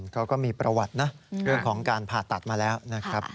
เขาก็มีประวัตินะเรื่องของการผ่าตัดมาแล้วนะครับ